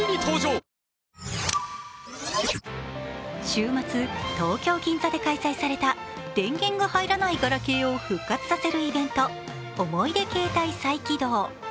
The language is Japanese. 週末、東京・銀座で開催された電源が入らないガラケーを復活させるイベント、「おもいでケータイ再起動」。